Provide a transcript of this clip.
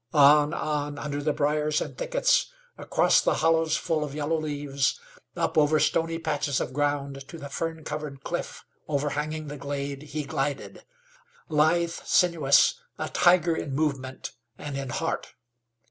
On, on under the briars and thickets, across the hollows full of yellow leaves, up over stony patches of ground to the fern covered cliff overhanging the glade he glided lithe, sinuous, a tiger in movement and in heart.